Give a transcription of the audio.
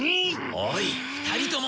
おい２人とも！